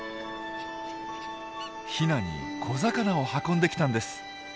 ヒナに小魚を運んできたんです。